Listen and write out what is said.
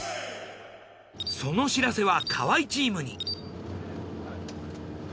その知らせは河合チームに。